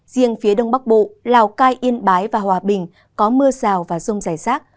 riêng phía đông bắc bộ lào cai yên bái và hòa bình có mưa rào và rông rải rác